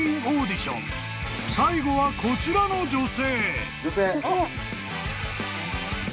［最後はこちらの女性］